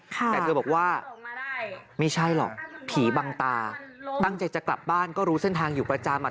แต่เธอบอกว่าไม่ใช่หรอกผีบังตาตั้งใจจะกลับบ้านก็รู้เส้นทางอยู่ประจำอ่ะ